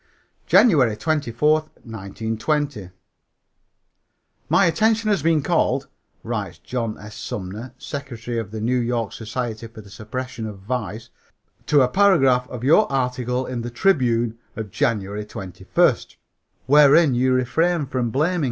JANUARY 24, 1920. "My attention has been called," writes John S. Sumner, secretary of the New York Society for the Suppression of Vice, "to a paragraph of your article in the Tribune of January 21, wherein you refrain from blaming H.